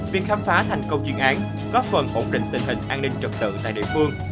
việc khám phá thành công chuyên án góp phần ổn định tình hình an ninh trật tự tại địa phương